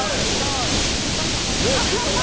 出版社さん！